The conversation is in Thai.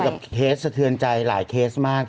เคสสะเทือนใจหลายเคสมาก